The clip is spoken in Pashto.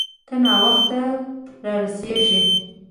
ته ناوخته را رسیږې